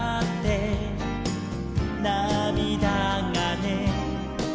「なみだがね」